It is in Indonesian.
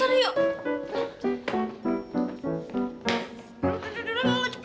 aduh aku sama beli aja